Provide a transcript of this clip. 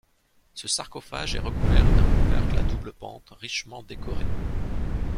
Ce sarcophage est recouvert d'un couvercle à double pente richement décoré.